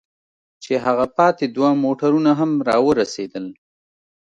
چې هغه پاتې دوه موټرونه هم را ورسېدل.